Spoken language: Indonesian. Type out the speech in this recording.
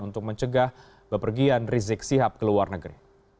untuk mencegah bepergian rizik sihab ke luar negeri